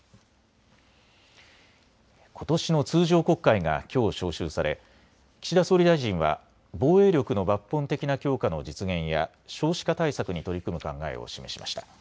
ことしの通常国会がきょう召集され岸田総理大臣は防衛力の抜本的な強化の実現や少子化対策に取り組む考えを示しました。